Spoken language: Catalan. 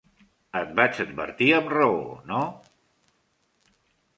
Et vaig advertir amb raó, no?